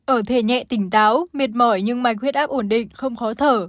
ở thể nhẹ tỉnh táo mệt mỏi nhưng mạch huyết áp ổn định không khó thở